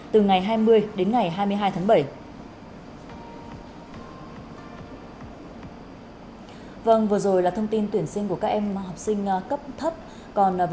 từ ngày hai mươi đến ngày hai mươi hai tháng bảy